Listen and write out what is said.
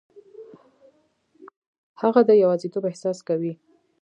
هغه د یوازیتوب احساس کوي.